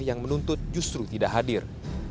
yang menuntut justru tidak hadir